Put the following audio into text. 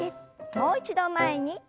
もう一度前に。